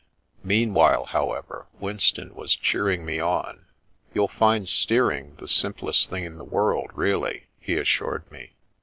Meanwhile, however, Winston was cheering me on. " You'll find steering the simplest thing in the world, really," he assured me.